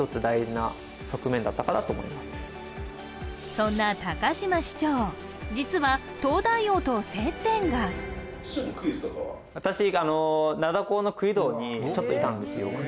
そんな高島市長実は「東大王」と接点が私灘高のクイ同にちょっといたんですよ